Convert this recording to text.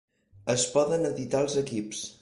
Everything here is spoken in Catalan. Es poden editar els equips.